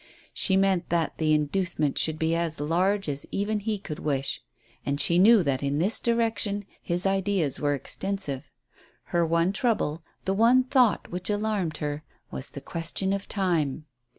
She meant that the inducement should be as large as even he could wish, and she knew that in this direction his ideas were extensive. Her one trouble, the one thought which alarmed her, was the question of time.